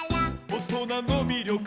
「おとなのみりょく」